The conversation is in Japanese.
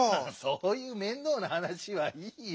そういう面倒なはなしはいいよ。